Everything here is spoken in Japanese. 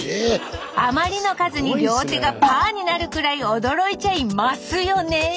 あまりの数に両手がパーになるくらい驚いちゃいマスよねえ